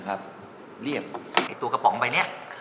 ไอ้ตัวกระป๋องไบนี้